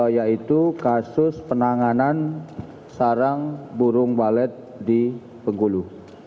yaitu kasus penanganan sarang burung balet di bengkulu